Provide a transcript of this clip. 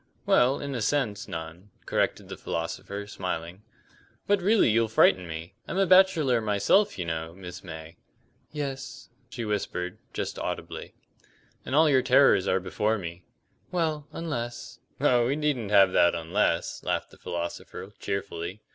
"Well, in a sense, none," corrected the philosopher, smiling. "But really you'll frighten me. I'm a bachelor myself, you know, Miss May." "Yes," she whispered, just audibly. "And all your terrors are before me." "Well, unless " "Oh, we needn't have that 'unless,'" laughed the philosopher, cheerfully.